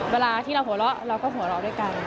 เวลาที่เราหัวเราะเราก็หัวเราะด้วยกัน